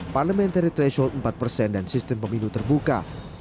parliamentary threshold empat persen dan sistem pemilu terbuka